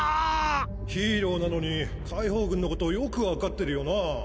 ヒーローなのに解放軍のことをよくわかってるよなあ。